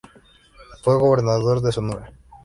Fue gobernador de Sonora.